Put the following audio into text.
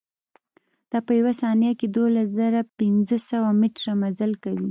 دا په ثانيه کښې دولز زره پنځه سوه مټره مزل کوي.